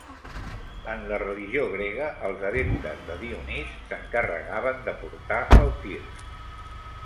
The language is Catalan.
En la religió grega, els adeptes de Dionís s'encarregaven de portar el tirs.